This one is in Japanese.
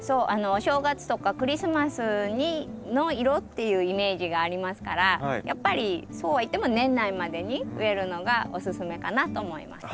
お正月とかクリスマスの色っていうイメージがありますからやっぱりそうは言っても年内までに植えるのがおすすめかなと思います。